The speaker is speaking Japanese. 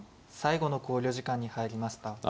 最後の考慮時間に入りました。